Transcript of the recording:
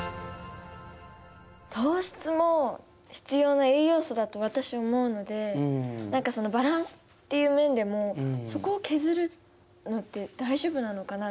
糖質も必要な栄養素だと私は思うので何かそのバランスっていう面でもそこを削るのって大丈夫なのかなってちょっと心配になります。